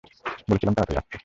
বলেছিলাম তাড়াতাড়ি আসতে।